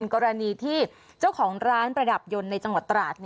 กรณีที่เจ้าของร้านประดับยนต์ในจังหวัดตราด